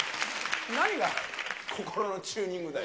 何が、心のチューニングだよ。